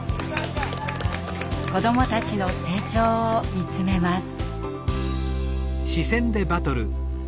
子どもたちの成長を見つめます。